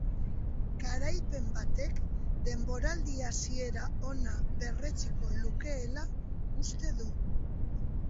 Garaipen batek denboraldi hasiera ona berretsiko lukeela uste du.